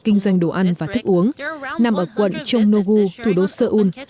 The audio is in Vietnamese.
kinh doanh đồ ăn và thức uống nằm ở quận chongnongu thủ đô seoul